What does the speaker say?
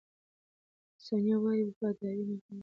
ثانیه وايي، وفاداري مهمه ده.